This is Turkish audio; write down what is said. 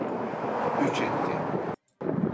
Üç etti.